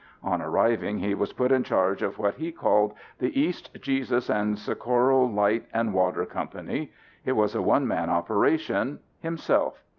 On arriving he was put in charge of what he called the "East Jesus and Socorro Light and Water Company." It was a one man operation himself.